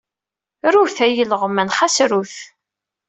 Rut, ay ileɣman, xas rut!